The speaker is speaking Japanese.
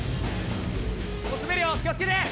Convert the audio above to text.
「滑るよ気をつけて」。